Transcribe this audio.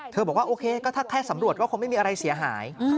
บอกว่าโอเคก็ถ้าแค่สำรวจก็คงไม่มีอะไรเสียหาย